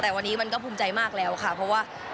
แต่วันนี้มันก็ภูมิใจมากแล้วค่ะเพราะว่า